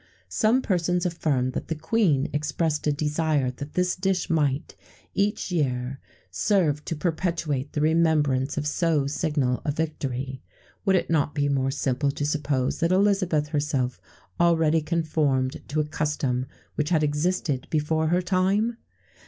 Some persons affirm that the Queen expressed a desire that this dish might, each year, serve to perpetuate the remembrance of so signal a victory. Would it not be more simple to suppose that Elizabeth herself already conformed to a custom which had existed before her time?